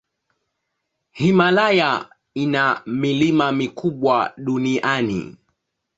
Himalaya ina milima mikubwa duniani.